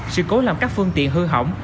sự cố làm các phương tiện hư hỏng